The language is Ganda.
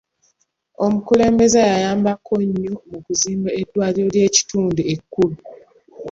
Omukulembeze yayambako nnyo mu kuzimba eddwaliro ly'ekitundu ekkulu.